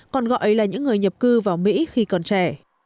còn gọi là những người nhập cư vào mỹ khi còn trẻ